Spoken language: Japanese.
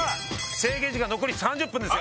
制限時間残り３０分ですよ・